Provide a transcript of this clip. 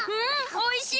おいしい！